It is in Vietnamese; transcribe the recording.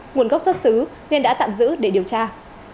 nguồn gốc xuất xứ nên đã tạm giữ để điều tra